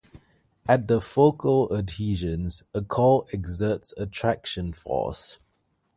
At the focal adhesions, a cell exerts a traction force.